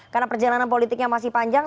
karena perjalanan politiknya masih panjang